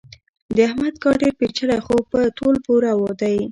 د احمد کار ډېر پېچلی خو په تول پوره دی.